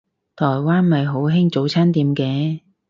台灣咪好興早餐店嘅